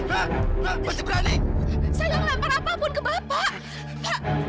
saya akan lempar apa pun ke bapak